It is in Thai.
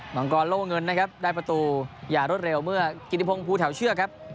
มังกรโล่เงินนะครับได้ประตูอย่ารวดเร็วเมื่อกิติพงศ์ภูแถวเชือกครับ